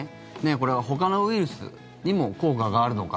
これはほかのウイルスにも効果があるのか。